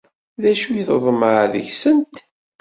D acu i teḍmeε deg-sent?